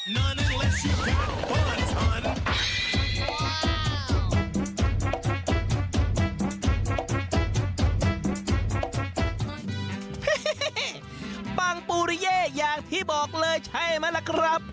ฮึเฮปังปุริเย้อย่างที่บอกเลยใช่มั้นล่ะครับ